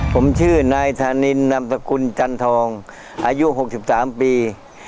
ผมชื่อนายธานินนามสกุลจันทองอายุ๖๓ปี